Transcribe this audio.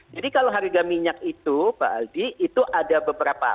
jadi kalau harga minyak itu pak aldi itu ada beberapa